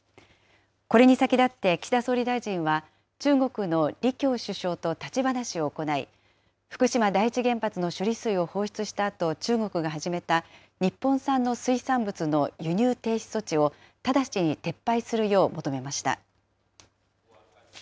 これに先立って岸田総理大臣は、中国の李強首相と立ち話を行い、福島第一原発の処理水を放出したあと中国が始めた日本産の水産物の輸入停止措置を直ちに撤廃するよう求めました。